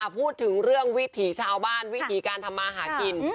พูดถึงเรื่องวิถีชาวบ้านวิถีการทำมาหากิน